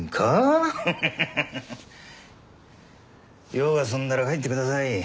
用が済んだら帰ってください。